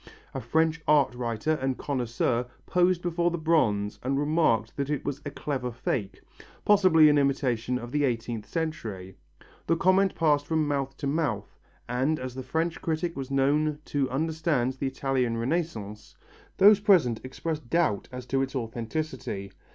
A French art writer and connoisseur posed before the bronze and remarked that it was a clever fake, possibly an imitation of the eighteenth century. The comment passed from mouth to mouth, and as the French critic was known to understand the Italian Renaissance, those present expressed doubts as to its authenticity.